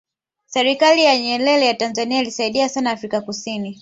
serikali ya nyerere ya tanzania iliisaidia sana afrika kusini